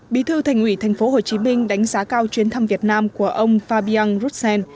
bí thư thành ủy tp hcm đánh giá cao chuyến thăm việt nam của ông fabien roussen